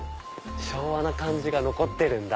昭和な感じが残ってるんだ。